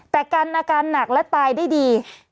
แต่กันอาการหนักและตายได้ดี